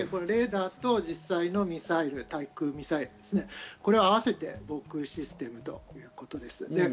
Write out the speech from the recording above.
レーダーと実際のミサイル、対空ミサイルですね、これを合わせて防空システムということです。